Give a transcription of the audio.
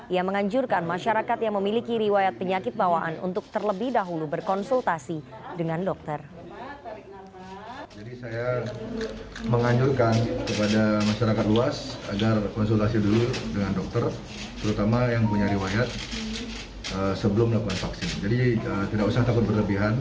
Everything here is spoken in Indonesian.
ia menganjurkan masyarakat yang memiliki riwayat penyakit bawaan untuk terlebih dahulu berkonsultasi dengan dokter